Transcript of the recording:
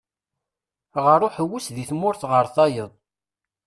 Ɣer uḥewwes deg tmurt ɣer tayeḍ.